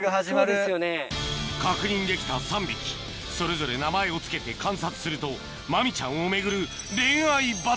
確認できた３匹それぞれ名前を付けて観察するとマミちゃんを巡る